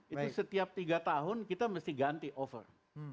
itu setiap tiga tahun kita mesti ganti over